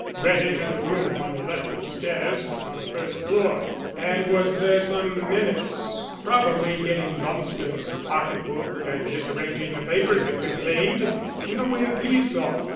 "Brett entered the room on the left of the stairs on the first floor, and was there some minutes probably getting Lumsden's pocket book, and disarranging the papers it contained in the way we saw.